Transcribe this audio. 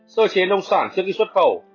sơ chế nông sản trước khi xuất khẩu